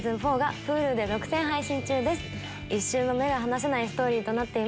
一瞬も目が離せないストーリーとなっています。